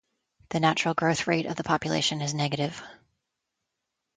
The natural growth rate of the population is negative.